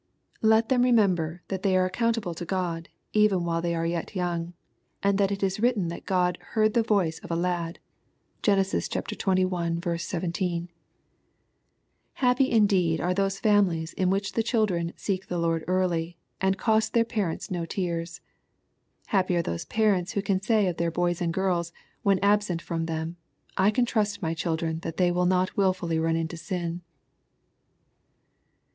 Let them remember, that they are accountable to God, even while they are yet young, and that it is written that God " heard the voice of a lad." (Gen. xxi. 17.) Happy indeed are those families in which the children " seek the Lord early,'' and cost their parents no tears. Happy are those parents who can say of their boys and girls, when absent from them, " I can trust my children that they will not wilfully run into sin."